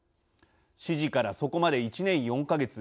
指示からそこまで１年４か月。